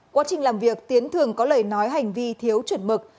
quá trình làm việc tiến thường có lời nói hành vi thiếu chuẩn mực